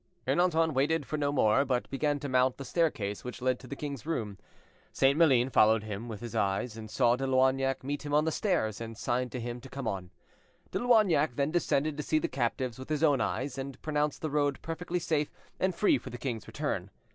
Ernanton waited for no more, but began to mount the staircase which led to the king's room. St. Maline followed him with his eyes, and saw De Loignac meet him on the stairs, and sign to him to come on. De Loignac then descended to see the captives with his own eyes, and pronounced the road perfectly safe and free for the king's return.